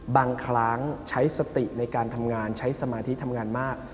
บางครั้งใช้สติในการทำงานใช้สมาธิทำงานมาก